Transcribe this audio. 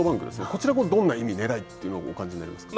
こちらも、どんな意味ねらいをお感じになりますか。